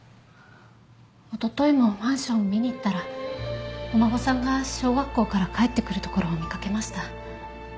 おとといもマンションを見に行ったらお孫さんが小学校から帰ってくるところを見かけました。